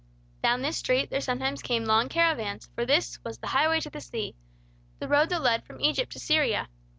Down this street there sometimes came long caravans; for this was "the highway to the sea," the road that led from Egypt to Syria.